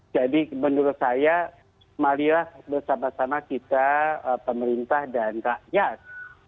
jadi menurut saya marilah bersama sama kita pemerintah dan rakyat